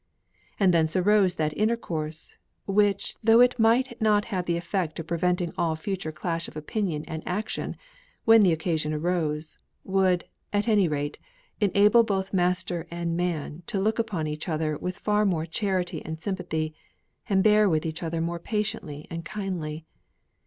And thence arose that intercourse, which, though it might not have the effect of preventing all future clash of opinion and action, when the occasion arose, would, at any rate, enable both master and man to look upon each other with far more charity and sympathy, and bear with each other more patiently and kindly.